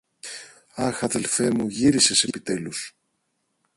Αχ, αδελφέ μου, γύρισες επιτέλους!